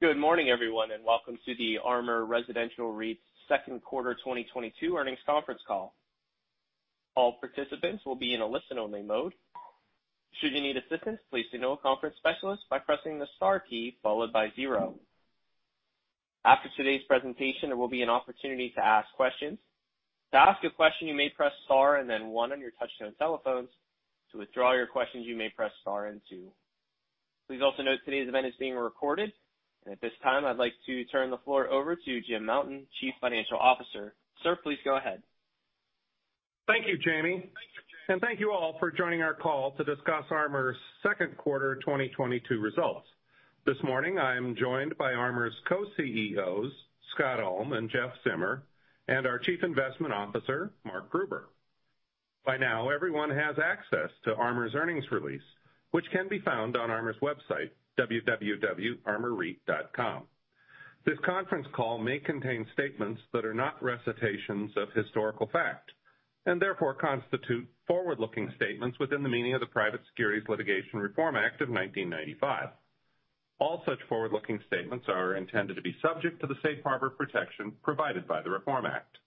Good morning, everyone, and welcome to the ARMOUR Residential REIT's second quarter 2022 earnings conference call. All participants will be in a listen-only mode. Should you need assistance, please signal a conference specialist by pressing the star key followed by zero. After today's presentation, there will be an opportunity to ask questions. To ask a question, you may press star and then one on your touch-tone telephones. To withdraw your questions, you may press star and two. Please also note today's event is being recorded. At this time, I'd like to turn the floor over to James Mountain, Chief Financial Officer. Sir, please go ahead. Thank you, Jamie, and thank you all for joining our call to discuss ARMOUR's second quarter 2022 results. This morning, I am joined by ARMOUR's Co-Chief Executive Officers, Scott Ulm and Jeff Zimmer, and our Chief Investment Officer, Mark Gruber. By now, everyone has access to ARMOUR's earnings release, which can be found on ARMOUR's website, www.armorreit.com. This conference call may contain statements that are not recitations of historical fact and therefore constitute forward-looking statements within the meaning of the Private Securities Litigation Reform Act of 1995. All such forward-looking statements are intended to be subject to the safe harbor protection provided by the Reform Act.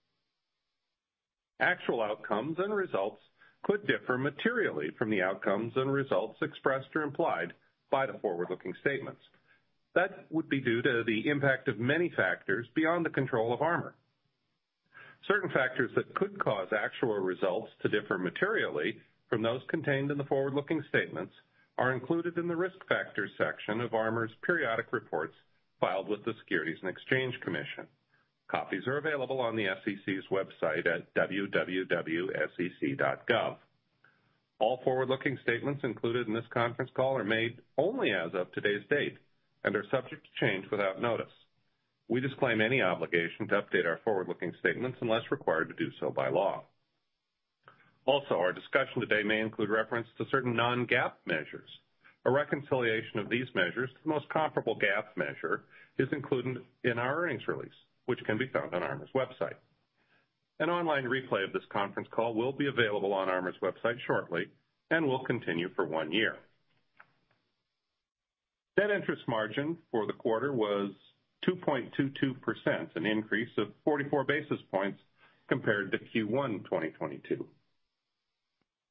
Actual outcomes and results could differ materially from the outcomes and results expressed or implied by the forward-looking statements. That would be due to the impact of many factors beyond the control of ARMOUR. Certain factors that could cause actual results to differ materially from those contained in the forward-looking statements are included in the Risk Factors section of ARMOUR's periodic reports filed with the Securities and Exchange Commission. Copies are available on the SEC's website at www.sec.gov. All forward-looking statements included in this conference call are made only as of today's date and are subject to change without notice. We disclaim any obligation to update our forward-looking statements unless required to do so by law. Also, our discussion today may include reference to certain non-GAAP measures. A reconciliation of these measures to the most comparable GAAP measure is included in our earnings release, which can be found on ARMOUR's website. An online replay of this conference call will be available on ARMOUR's website shortly and will continue for one year. Net interest margin for the quarter was 2.22%, an increase of 44 basis points compared to Q1 2022.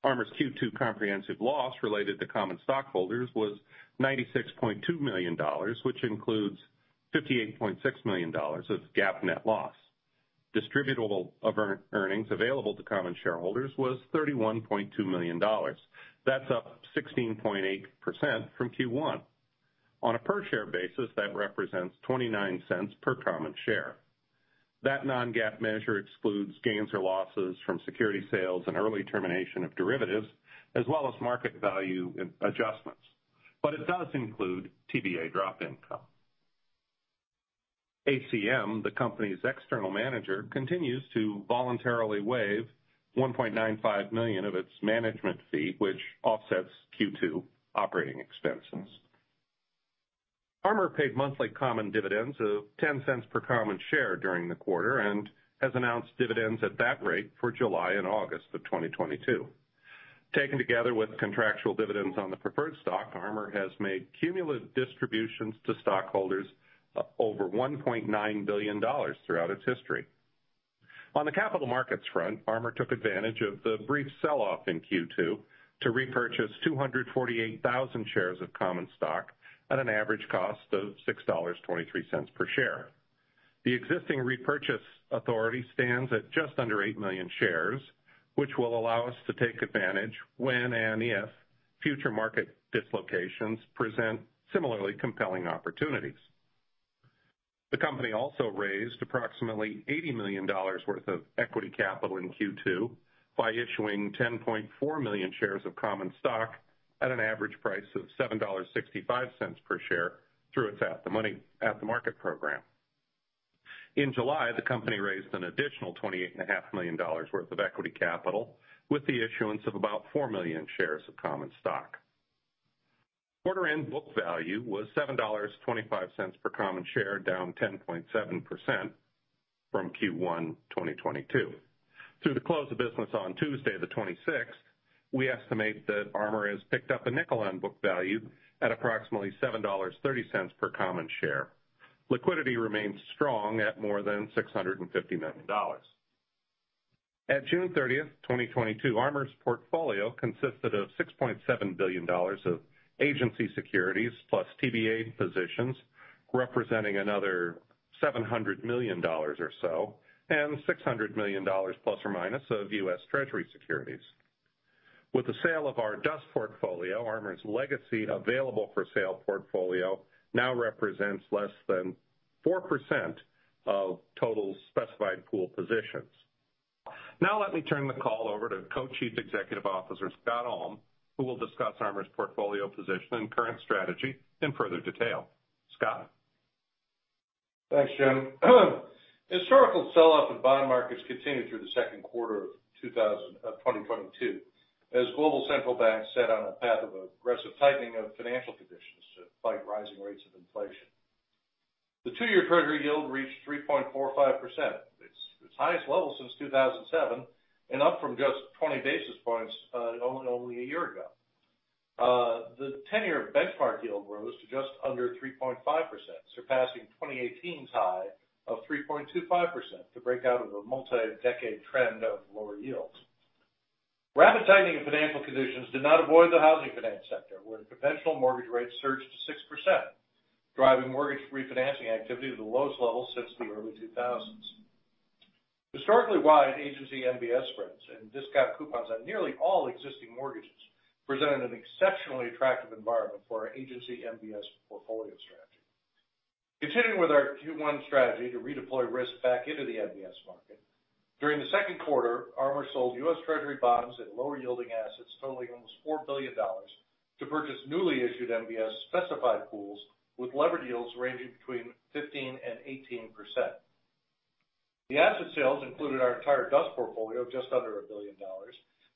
ARMOUR's Q2 comprehensive loss related to common stockholders was $96.2 million, which includes $58.6 million of GAAP net loss. Distributable earnings available to common shareholders was $31.2 million. That's up 16.8% from Q1. On a per share basis, that represents $0.29 per common share. That non-GAAP measure excludes gains or losses from security sales and early termination of derivatives, as well as market value adjustments, but it does include TBA drop income. ACM, the company's external manager, continues to voluntarily waive $1.95 million of its management fee, which offsets Q2 operating expenses. ARMOUR paid monthly common dividends of $0.10 per common share during the quarter and has announced dividends at that rate for July and August of 2022. Taken together with contractual dividends on the preferred stock, ARMOUR has made cumulative distributions to stockholders of over $1.9 billion throughout its history. On the capital markets front, ARMOUR took advantage of the brief sell-off in Q2 to repurchase 248,000 shares of common stock at an average cost of $6.23 per share. The existing repurchase authority stands at just under eight million shares, which will allow us to take advantage when and if future market dislocations present similarly compelling opportunities. The company also raised approximately $80 million worth of equity capital in Q2 by issuing 10.4 million shares of common stock at an average price of $7.65 per share through its At-The-Market program. In July, the company raised an additional $28.5 million worth of equity capital with the issuance of about 4 million shares of common stock. Quarter end book value was $7.25 per common share, down 10.7% from Q1 2022. Through the close of business on Tuesday, the 26th, we estimate that ARMOUR has picked up a nickel on book value at approximately $7.30 per common share. Liquidity remains strong at more than $650 million. At June 30th, 2022, ARMOUR's portfolio consisted of $6.7 billion of Agency Securities plus TBA positions, representing another $700 million or so, and $600 million plus or minus of U.S. Treasury securities. With the sale of our DUS portfolio, ARMOUR's legacy available-for-sale portfolio now represents less than 4% of total specified pool positions. Now let me turn the call over to Co-Chief Executive Officer Scott Ulm, who will discuss ARMOUR's portfolio position and current strategy in further detail. Scott? Thanks, James. Historical sell-off in bond markets continued through the second quarter of 2022, as global central banks set on a path of aggressive tightening of financial conditions to fight rising rates of inflation. The two-year Treasury yield reached 3.45%. Its highest level since 2007, and up from just 20 basis points only a year ago. The 10-year benchmark yield rose to just under 3.5%, surpassing 2018's high of 3.25% to break out of a multi-decade trend of lower yields. Rapid tightening of financial conditions did not avoid the housing finance sector, where conventional mortgage rates surged to 6%, driving mortgage refinancing activity to the lowest levels since the early 2000s. Historically wide Agency MBS spreads and discount coupons on nearly all existing mortgages presented an exceptionally attractive environment for our Agency MBS portfolio strategy. Continuing with our Q1 strategy to redeploy risk back into the MBS market, during the second quarter, ARMOUR sold U.S. Treasury bonds at lower-yielding assets totaling almost $4 billion to purchase newly issued MBS specified pools with levered yields ranging between 15% and 18%. The asset sales included our entire DUS portfolio of just under $1 billion,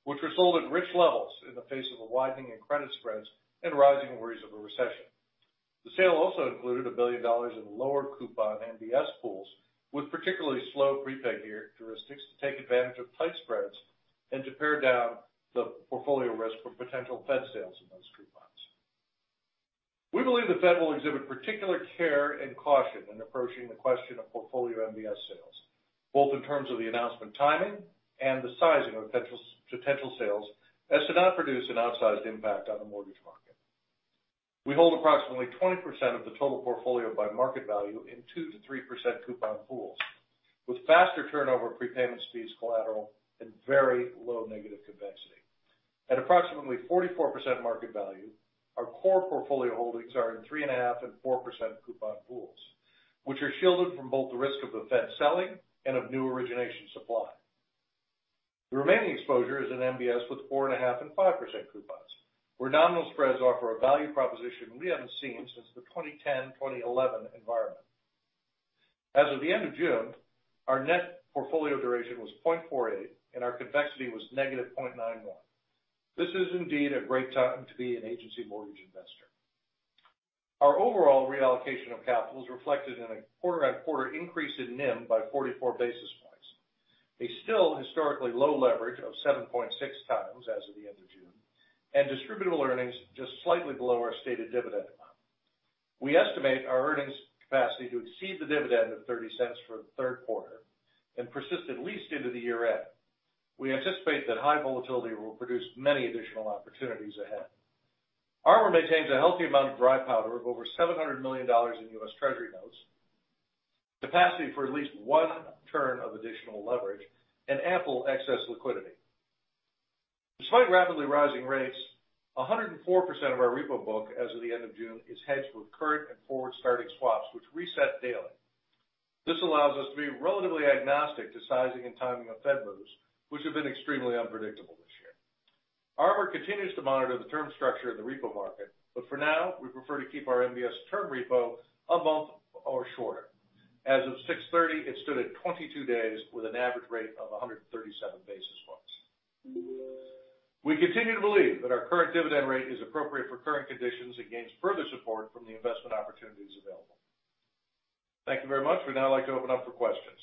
which were sold at rich levels in the face of a widening in credit spreads and rising worries of a recession. The sale also included $1 billion in lower-coupon MBS pools with particularly slow prepay characteristics to take advantage of tight spreads and to pare down the portfolio risk for potential Fed sales in those coupons. We believe the Fed will exhibit particular care and caution in approaching the question of portfolio MBS sales, both in terms of the announcement timing and the sizing of potential sales, as to not produce an outsized impact on the mortgage market. We hold approximately 20% of the total portfolio by market value in 2%-3% coupon pools with faster turnover prepayment speeds collateral and very low negative convexity. At approximately 44% market value, our core portfolio holdings are in 3.5% and 4% coupon pools, which are shielded from both the risk of the Fed selling and of new origination supply. The remaining exposure is in MBS with 4.5% and 5% coupons, where nominal spreads offer a value proposition we haven't seen since the 2010/2011 environment. As of the end of June, our net portfolio duration was 0.48, and our convexity was -0.91. This is indeed a great time to be an agency mortgage investor. Our overall reallocation of capital is reflected in a quarter-on-quarter increase in NIM by 44 basis points. A still historically low leverage of 7.6x as of the end of June, and Distributable Earnings just slightly below our stated dividend amount. We estimate our earnings capacity to exceed the dividend of $0.30 for the third quarter and persist at least into the year end. We anticipate that high volatility will produce many additional opportunities ahead. ARMOUR maintains a healthy amount of dry powder of over $700 million in U.S. Treasury notes, capacity for at least one turn of additional leverage and ample excess liquidity. Despite rapidly rising rates, 104% of our repo book as of the end of June is hedged with current and forward starting swaps, which reset daily. This allows us to be relatively agnostic to sizing and timing of Fed moves, which have been extremely unpredictable this year. ARMOUR continues to monitor the term structure in the repo market, but for now, we prefer to keep our MBS term repo a month or shorter. As of 6/30, it stood at 22 days with an average rate of 137 basis points. We continue to believe that our current dividend rate is appropriate for current conditions and gains further support from the investment opportunities available. Thank you very much. We'd now like to open up for questions.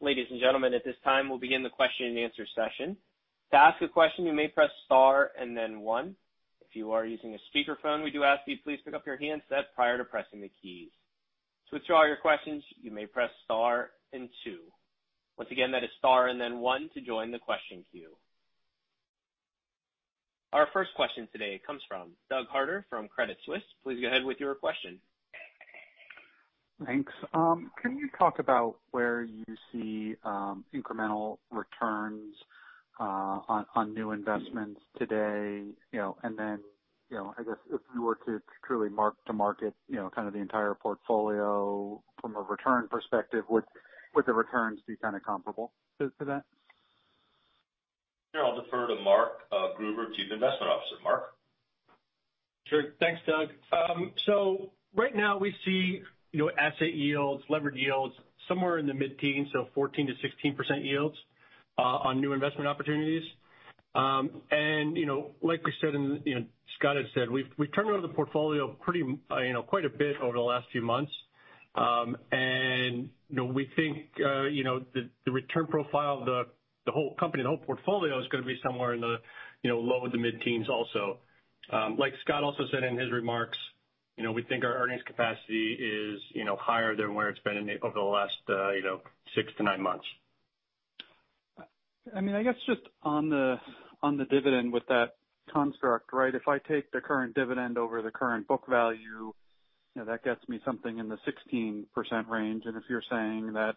Ladies and gentlemen, at this time, we'll begin the question-and-answer session. To ask a question, you may press star and then one. If you are using a speakerphone, we do ask you please pick up your handset prior to pressing the keys. To withdraw your questions, you may press star and two. Once again, that is star and then one to join the question queue. Our first question today comes from Doug Harter from Credit Suisse. Please go ahead with your question. Thanks. Can you talk about where you see incremental returns on new investments today? You know, and then, you know, I guess if we were to truly mark-to-market the entire portfolio from a return perspective, would the returns be kind of comparable to that? Sure. I'll defer to Mark Gruber, Chief Investment Officer. Mark? Sure. Thanks, Doug. Right now we see, you know, asset yields, levered yields somewhere in the mid-teens, so 14%-16% yields on new investment opportunities. You know, like we said, you know, Scott had said, we've turned around the portfolio pretty, you know, quite a bit over the last few months. You know, we think, you know, the return profile of the whole company, the whole portfolio is gonna be somewhere in the low to mid-teens also. Like Scott also said in his remarks, you know, we think our earnings capacity is higher than where it's been over the last 6-9 months. I mean, I guess just on the dividend with that construct, right? If I take the current dividend over the current book value, you know, that gets me something in the 16% range. If you're saying that,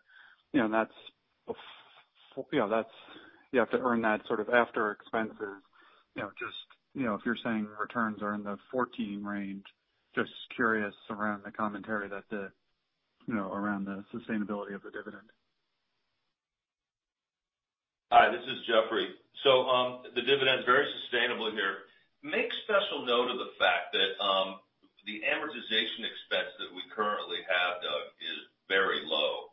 you know, that's you have to earn that sort of after expenses, you know, just, you know, if you're saying returns are in the 14% range, just curious around the commentary that the, you know, around the sustainability of the dividend. Hi, this is Jeffrey. The dividend's very sustainable here. Make special note of the fact that the amortization expense that we currently have, Doug, is very low.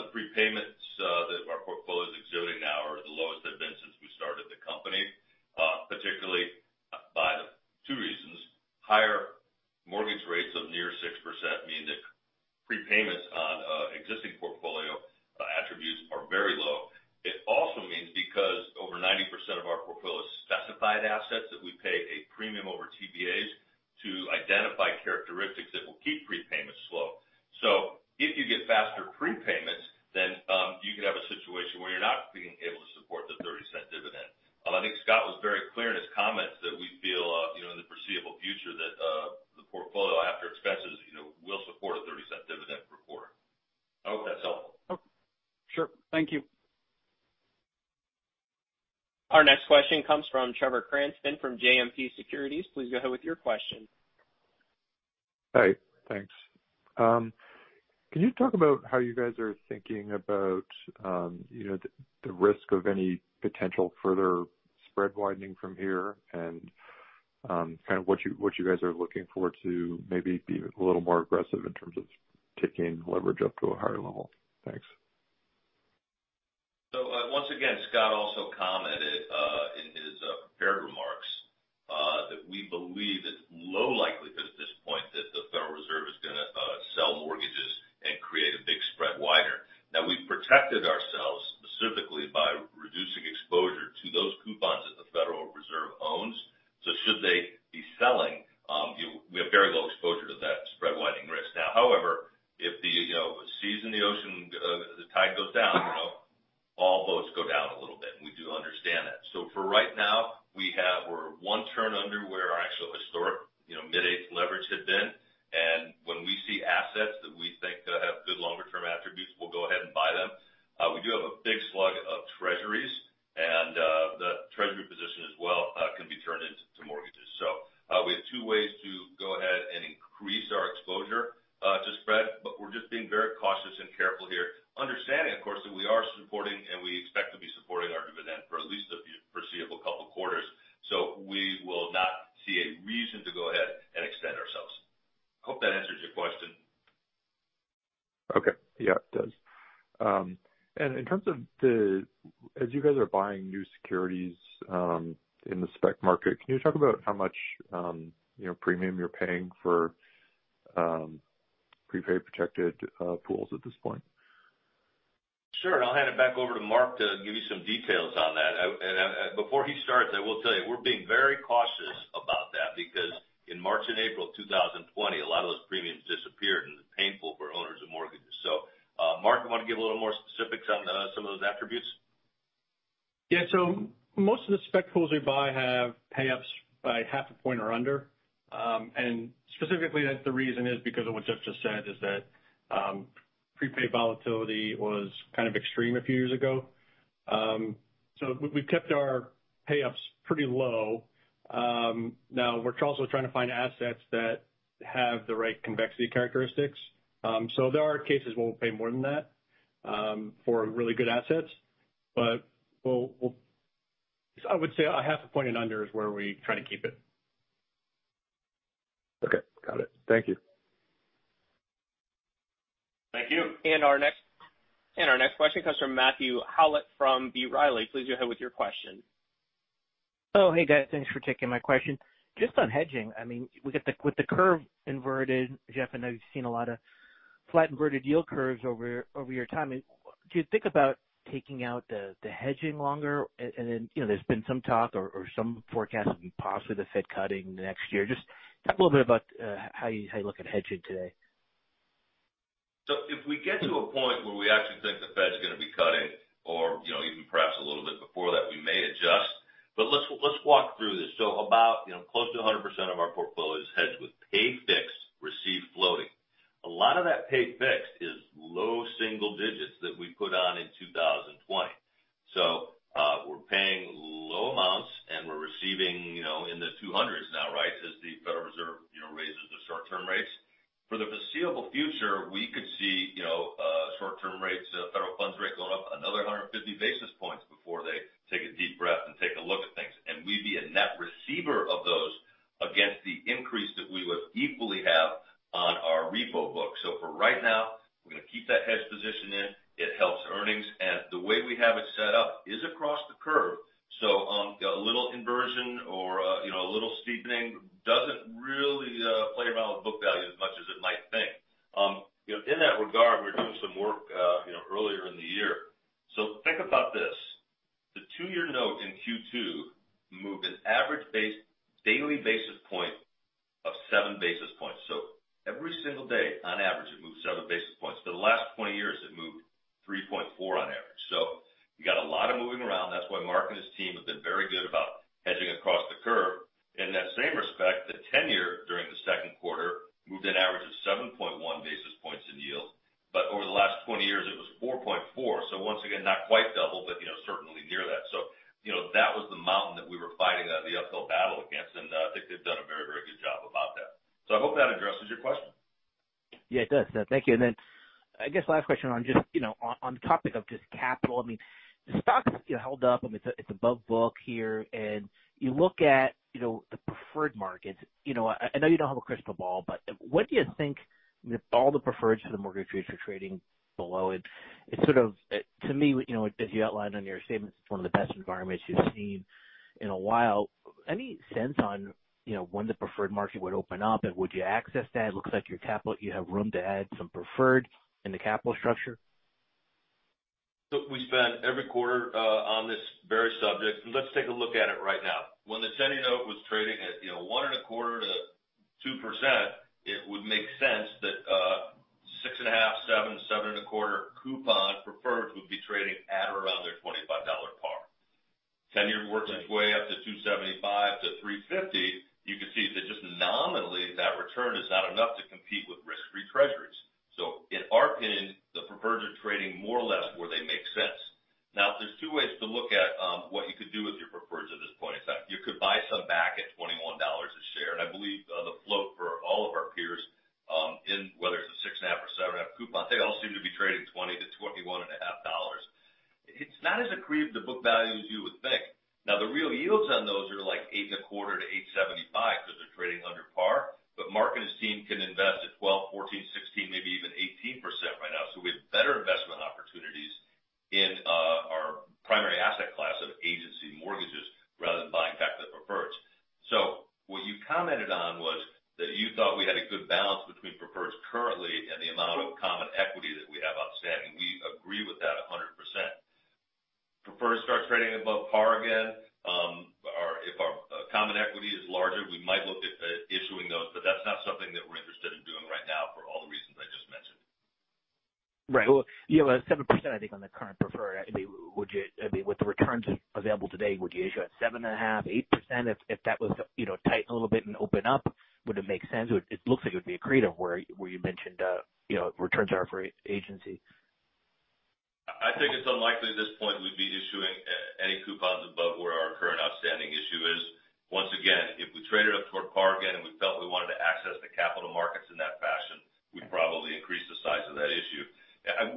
The prepayments that our portfolio is exhibiting now are at the lowest levels since we started the company. Particularly, by two reasons. Higher mortgage rates of near 6% mean that prepayments on existing terms of, as you guys are buying new securities in the spec market, can you talk about how much, you know, premium you're paying for prepayment protected pools at this point? Sure. I'll hand it back over to Mark to give you some details on that. Before he starts, I will tell you, we're being very cautious about that, because in March and April of 2020, a lot of those premiums disappeared, and it was painful for owners of mortgages. Mark, you wanna give a little more specifics on some of those attributes? Yeah. Most of the spec pools we buy have pay-ups by half a point or under. And specifically, that's the reason is because of what Jeff just said, is that prepayment volatility was kind of extreme a few years ago. We've kept our pay-ups pretty low. Now we're also trying to find assets that have the right convexity characteristics. There are cases where we'll pay more than that for really good assets. We'll. I would say a half a point and under is where we try to keep it. Okay. Got it. Thank you. Thank you. Our next question comes from Matthew Howlett from B. Riley. Please go ahead with your question. Oh, hey, guys. Thanks for taking my question. Just on hedging, I mean, with the curve inverted, Jeff, I know you've seen a lot of flat inverted yield curves over your time. Do you think about taking out the hedging longer? And then, you know, there's been some talk or some forecast of possibly the Fed cutting next year. Just talk a little bit about how you look at hedging today. If we get to a point where we actually think the Fed's gonna be cutting or, you know, even perhaps a little bit before that, we may adjust. Let's walk through this. About you know, close to 100% of our portfolio is hedged with pay fixed, receive floating. A lot of that pay fixed is low single digits that we put you know, when the preferred market would open up? And would you access that? It looks like your capital you have room to add some preferred in the capital structure. We spend every quarter on this very subject. Let's take a look at it right now. When the 10-year note was trading at, you know, 1.25%-2%, it would make sense that 6.5, 7.25 coupon preferred would be trading at around their $25 par. 10-year works its way up to 2.75%-3.5%. You can see that just nominally, that return is not enough to compete with risk-free treasuries. In our opinion, the preferreds are trading more or less where they make sense. Now, there's two ways to look at what you could do with your preferreds at this point in time. You could buy some back at $21 a share. I believe, the float for all of our peers, in whether it's a 6.5% or 7.5% coupon, they all seem to be trading $20-$21.50. It's not as accretive to book value as you would think. Now, the real yields on those are like 8.25%-8.75% because they're trading under par. Mark and his team can invest at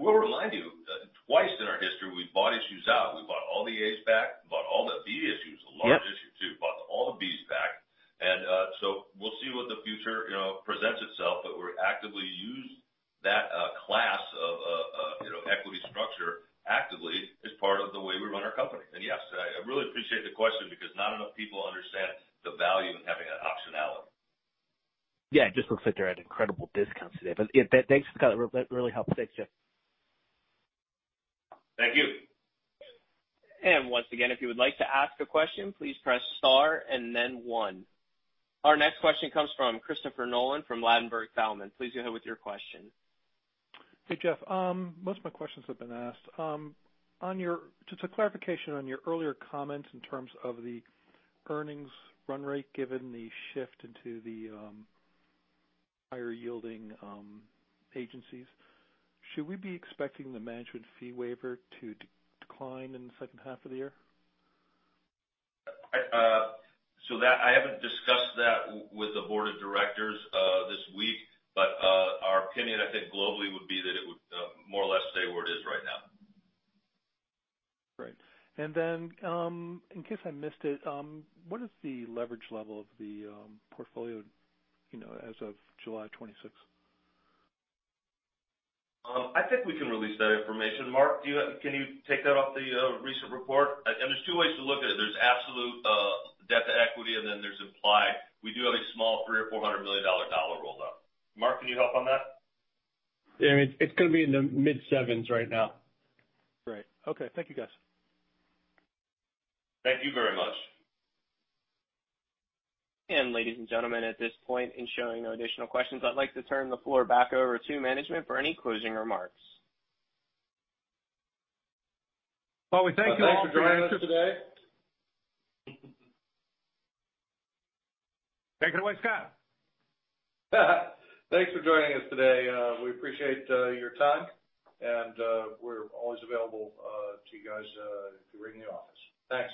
We'll remind you, twice in our history, we've bought issues out. We bought all the As back. We bought all the B issues. Yep. A large issue too. Bought all the Bs back. We'll see what the future, you know, presents itself. We're actively use that class of, you know, equity structure actively as part of the way we run our company. Yes, I really appreciate the question because not enough people understand the value in having that optionality. Yeah. It just looks like they're at incredible discounts today. Yeah, thanks, Scott. That really helps. Thanks, Jeff. Thank you. Once again, if you would like to ask a question, please press star and then one. Our next question comes from Christopher Nolan from Ladenburg Thalmann. Please go ahead with your question. Hey, Jeff. Most of my questions have been asked. Just a clarification on your earlier comment in terms of the earnings run rate, given the shift into the higher-yielding agencies. Should we be expecting the management fee waiver to decline in the second half of the year? I haven't discussed that with the board of directors this week. Our opinion I think globally would be that it would more or less stay where it is right now. Great. In case I missed it, what is the leverage level of the portfolio, you know, as of July 26th? I think we can release that information. Mark, can you take that off the recent report? There's two ways to look at it. There's absolute debt to equity, and then there's implied. We do have a small $300-$400 million dollar rolled up. Mark, can you help on that? Yeah. It's gonna be in the mid-7s right now. Great. Okay. Thank you, guys. Thank you very much. Ladies and gentlemen, at this point, seeing no additional questions, I'd like to turn the floor back over to management for any closing remarks. Well, we thank you all for joining us today. Thanks for joining us today. Take it away, Scott. Thanks for joining us today. We appreciate your time. We're always available to you guys if you ring the office. Thanks.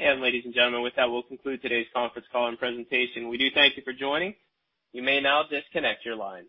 Ladies and gentlemen, with that, we'll conclude today's conference call and presentation. We do thank you for joining. You may now disconnect your lines.